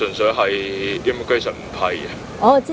oh kelas imigrasi